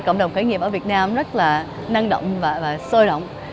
cộng đồng khái nghiệm ở việt nam rất là năng động và sôi động